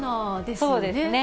そうですね。